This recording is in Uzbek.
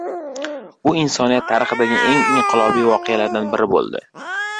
Bu insoniyat tarixidagi eng inqilobiy voqealardan biri bo'ldi.